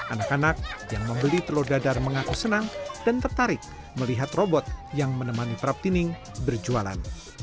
anak anak yang membeli telur dadar mengaku senang dan tertarik melihat robot yang menemani praptining berjualan